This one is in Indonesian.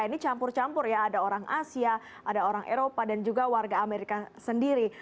ini campur campur ya ada orang asia ada orang eropa dan juga warga amerika sendiri